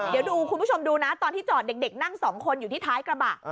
เดี๋ยวดูคุณผู้ชมดูนะตอนที่จอดเด็กนั่ง๒คนอยู่ที่ท้ายกระบะ